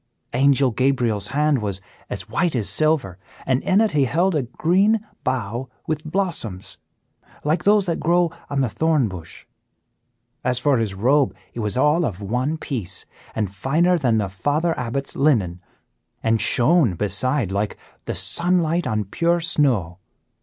Angel Gabriel's hand was as white as silver, and in it he held a green bough with blossoms, like those that grow on the thorn bush. As for his robe, it was all of one piece, and finer than the Father Abbot's linen, and shone beside like the sunlight on pure snow.